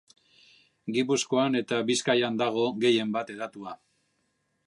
Gipuzkoan eta Bizkaian dago gehienbat hedatua.